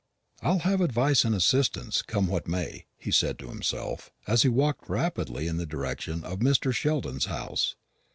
"I'll have advice and assistance, come what may," he said to himself, as he walked rapidly in the direction of Mr. Sheldon's house.